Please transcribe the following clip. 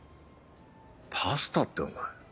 パスタってお前。